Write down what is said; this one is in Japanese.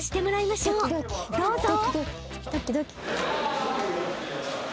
［どうぞ］